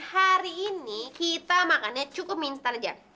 hari ini kita makannya cukup instan aja